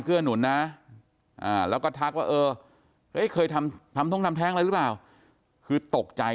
เกื้อหนุนนะแล้วก็ทักว่าเคยทำทั้งอะไรหรือเปล่าคือตกใจ